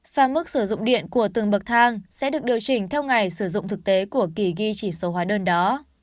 và mức sử dụng điện của từng bậc thang sẽ được điều chỉnh theo ngày sử dụng thực tế của kỳ ghi chỉ số hóa đơn đó